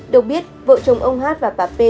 được biết vợ chồng ông hát và bà p